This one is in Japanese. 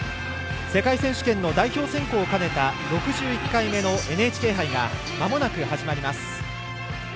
世界選手権の代表選考を兼ねた６１回目のＮＨＫ杯がまもなく始まります。